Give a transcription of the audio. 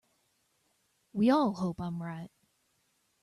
We all hope I am right.